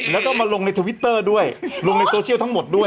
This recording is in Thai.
แล้วก็มาลงในทวิตเตอร์ด้วยลงในโซเชียลทั้งหมดด้วย